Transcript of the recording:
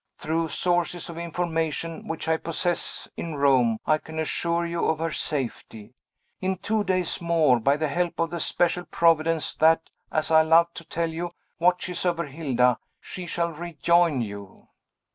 "Through sources of information which I possess in Rome, I can assure you of her safety. In two days more by the help of the special Providence that, as I love to tell you, watches over Hilda she shall rejoin you."